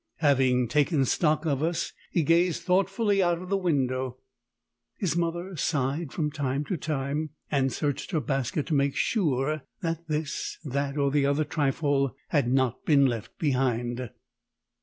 Having taken stock of us, he gazed thoughtfully out of window. His mother sighed from time to time, and searched her basket to make sure that this, that, or the other trifle had not been left behind.